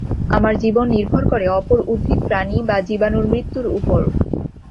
আমাদের জীবন নির্ভর করে অপর উদ্ভিদ প্রাণী বা জীবাণুর মৃত্যুর উপর।